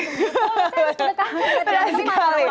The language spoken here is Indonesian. oh saya harus menekankan